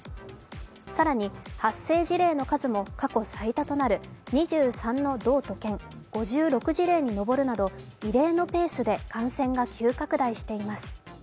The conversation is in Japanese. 更に発生事例の数も過去最多となる２３の道と県、５６事例に上るなど異例のペースで感染が急拡大しています。